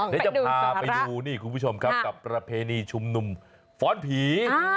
เดี๋ยวจะพาไปดูนี่คุณผู้ชมครับกับประเพณีชุมนุมฟ้อนผี